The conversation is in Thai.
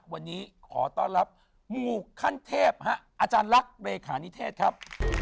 วันนี้ขอต้อนรับหมู่ขั้นเทพอาจารย์ลักษณ์เลขานิเทศครับ